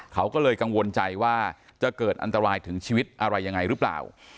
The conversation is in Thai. เขาก็เลยกังวลใจว่าจะเกิดอันตรายถึงชีวิตอะไรยังไงหรือเปล่า